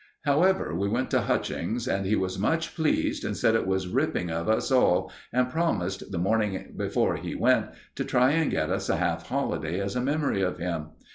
However, we went to Hutchings, and he was much pleased, and said it was ripping of us all, and promised, the morning before he went, to try and get us a half holiday as a memory of him.